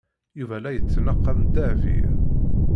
Yuba la yettnaqam Dahbiya.